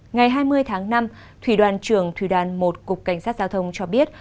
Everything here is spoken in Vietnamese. ngày hai mươi tháng năm thủy đoàn trưởng thủy đoàn một cục cảnh sát giao thông cho biết